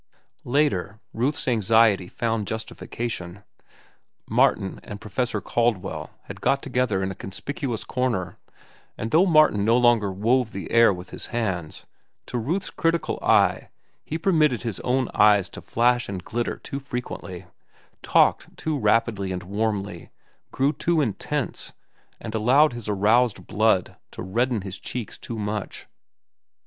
Later, Ruth's anxiety found justification. Martin and Professor Caldwell had got together in a conspicuous corner, and though Martin no longer wove the air with his hands, to Ruth's critical eye he permitted his own eyes to flash and glitter too frequently, talked too rapidly and warmly, grew too intense, and allowed his aroused blood to redden his cheeks too much.